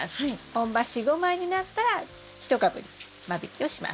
本葉４５枚になったら１株に間引きをします。